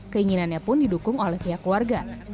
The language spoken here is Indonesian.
keinginannya pun didukung oleh pihak keluarga